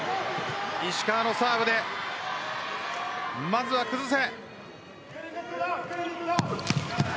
石川のサーブでまずは崩せ。